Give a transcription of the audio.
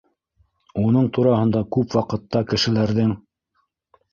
Уның тураһында күп ваҡытта кешеләрҙең: